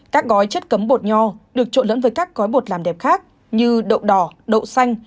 các gói chất cấm bột nho được trộn lẫn với các gói bột làm đẹp khác như đậu đỏ đậu xanh